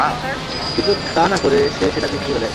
কিন্তু তা না করে, সে সেটা বিক্রি করে দেয়।